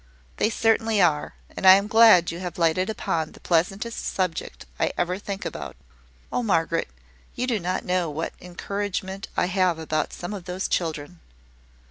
"They certainly are; and I am glad you have lighted upon the pleasantest subject I ever think about. Oh, Margaret, you do not know what encouragement I have about some of those children!